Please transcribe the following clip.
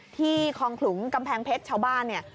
คลองขลุงกำแพงเพชรชาวบ้านเนี่ย